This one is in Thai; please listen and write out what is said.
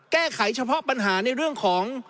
แก้ไขเฉพาะปัญหาในเรื่องของ